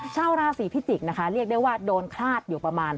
ชาวราศีพิจิกษ์นะคะเรียกได้ว่าโดนคลาดอยู่ประมาณ